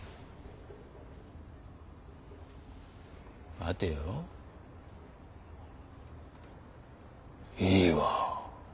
待てよ。いいわ。